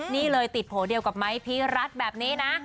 นี่เลยติดโผล่เดียวกับไม้พีรัตน์แบบนี้นะ